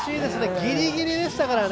ギリギリでしたからね。